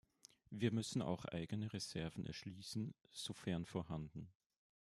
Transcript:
Wir müssen auch eigene Reserven erschließen, sofern vorhanden.